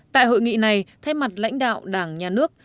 tại hội nghị này thay mặt lãnh đạo đảng nhà nước